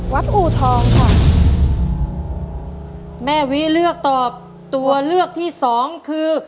อูทองค่ะแม่วิเลือกตอบตัวเลือกที่สองคือ